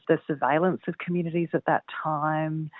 penyelidikan komunitas pada saat itu